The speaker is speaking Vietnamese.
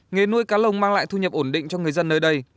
nghề nuôi cá lồng mang lại thu nhập ổn định cho người dân nơi đây